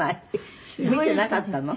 見ていなかったの？